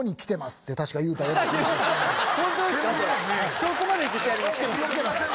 そこまで自信ありますか？